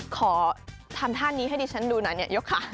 ขอทำท่านี้ให้ดิฉันดูหน่อยเนี่ยยกขา